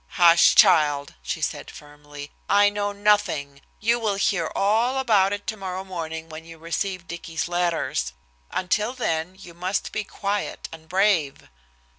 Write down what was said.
"Hush, child," she said firmly. "I know nothing. You will hear all about it tomorrow morning when you receive Dicky's letters. Until then you must be quiet and brave."